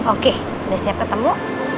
oke udah siap ketemu